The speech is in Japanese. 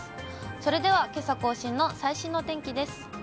それではけさ更新の最新のお天気です。